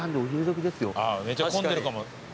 あーめちゃ混んでるかも。